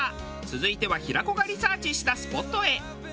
続いては平子がリサーチしたスポットへ。